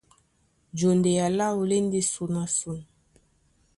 Jondea láō lá e ndé son na son.